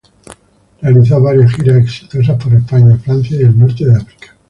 Realizó varias giras exitosas por España, Francia y el Norte de África.